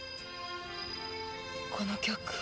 この曲。